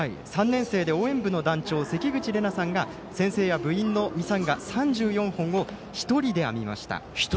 ３年生で応援部の団長せきぐちさんが先生や部員のミサンガ３１本を１人で編みました。